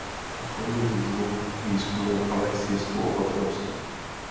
Podporuji výzvu k výzkumu, ale s jistou opatrností.